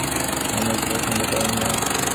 দুলাভাই, আমি জানি, আপনি আমাকে পছন্দ করেন না।